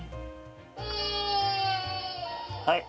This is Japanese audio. はい。